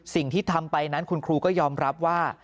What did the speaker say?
สิ่งที่ทำไปนั้นคุณครูก็ยอมรับว่า